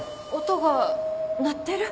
音が鳴ってる？